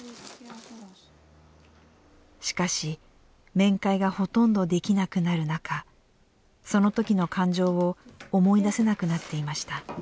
しかし、面会がほとんどできなくなる中その時の感情を思い出せなくなっていました。